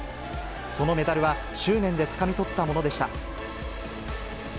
そのメダルは執念でつかみ取ったものでした。